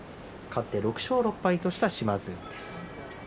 勝って６勝６敗とした島津海です。